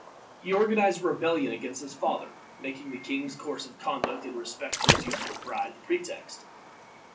He organized a rebellion against his father, making the king's course of conduct in respect to his youthful bride the pretext.